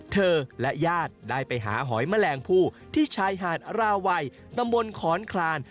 เธอและญาติได้ไปหาหอยแมลงผู้ที่ชายหาดราวัยตำบลขอนคลาน